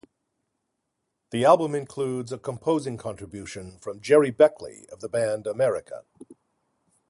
The album includes a composing contribution from Gerry Beckley of the band America.